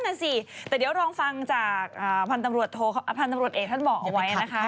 นั่นสิแต่เดี๋ยวลองฟังจากพันธุ์ตำรวจเอกท่านบอกเอาไว้นะคะ